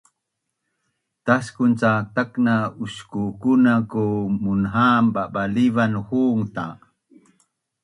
Taskun cak takna uskukunan ku munha’an babalivan hungta